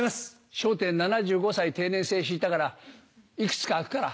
『笑点』７５歳定年制敷いたからいくつか空くから。